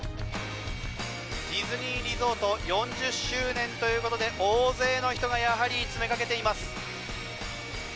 ディズニーリゾート４０周年ということで大勢の人がやはり詰めかけています。